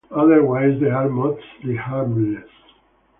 Otherwise they are mostly harmless.